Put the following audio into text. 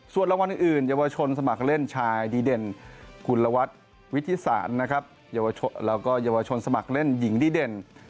ส่วนรางวัลอื่นยาวชนสมัครเล่นชายดีเด่นคุณลวัฒน์วิทธิสารและยาวชนสมัครเล่นหญิงดีเด่น